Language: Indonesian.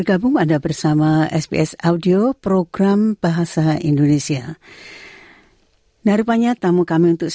anda bersama sbs bahasa indonesia